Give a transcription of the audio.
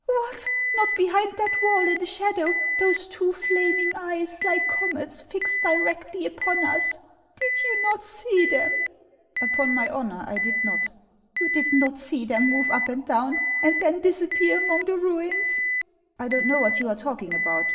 <~j O " What ! not behind that wall, in the shadow, those two flaming eyes, like comets, fixed directly upon us, — did you not see them ?"" Upon my honor, I did not." 16 242 HANS OF ICELAND. " You did not see them move up and do\Vu, and then disappear among the ruins ?"" I don't know what you are talking about.